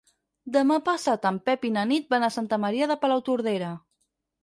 Demà passat en Pep i na Nit van a Santa Maria de Palautordera.